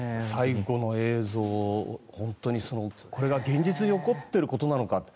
最後の映像、本当にこれが現実に起こっていることなのか。